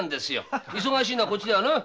忙しいのはこっちだよな。